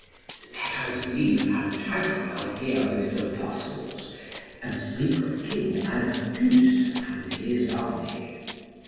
Let us leave Pantagruel here with his apostles, and speak of King Anarchus and his army.